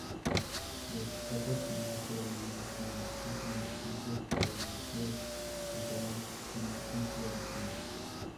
La etapa final ceremonial finalizó en los Campos Elíseos en París, como es tradición.